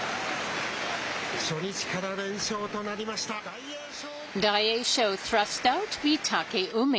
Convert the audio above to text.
初日から連勝となりました、大栄翔。